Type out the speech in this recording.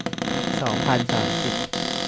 สองพันสามสิบ